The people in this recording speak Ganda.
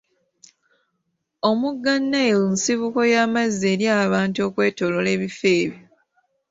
Omugga Nile nsibuko y'amazzi eri abantu okwetooloola ebifo ebyo.